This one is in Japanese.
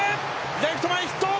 レフト前ヒット！